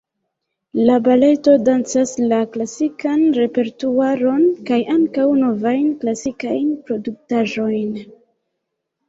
La baleto dancas la klasikan repertuaron kaj ankaŭ novajn klasikajn produktaĵojn.